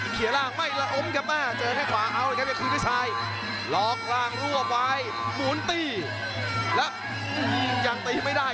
เขียร่างไม่อมกับหน้าเจอแค่ขวาเอาท์ครับยังคืนด้วยซ้าย